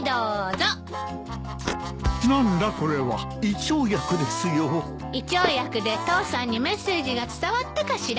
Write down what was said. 胃腸薬で父さんにメッセージが伝わったかしら。